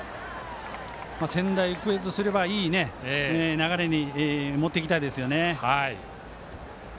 仙台育英とすればいい流れに持っていきたいですね。